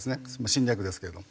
侵略ですけれども。